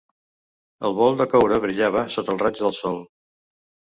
El bol de coure brillava sota els raigs del sol.